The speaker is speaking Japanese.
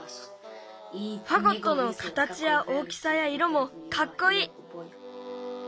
ファゴットのかたちや大きさやいろもかっこいい。